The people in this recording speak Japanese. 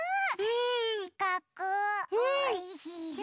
しかくおいしそう！